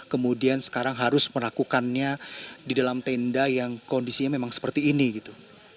kemudian sekarang harus melakukannya di dalam tenda yang kondisinya memang seperti ini gitu